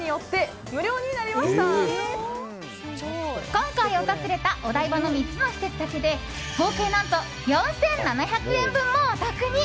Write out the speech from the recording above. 今回訪れたお台場の３つの施設だけで合計何と４７００円分もお得に。